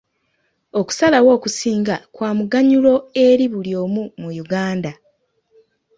Okusalawo okusinga kwa muganyulo eri buli omu mu Uganda.